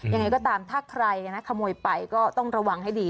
ยังไงก็ตามถ้าใครนะขโมยไปก็ต้องระวังให้ดี